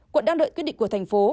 quận đang đợi quyết định của thành phố